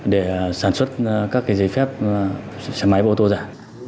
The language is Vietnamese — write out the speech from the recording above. để sản xuất các giấy phép máy và ô tô giả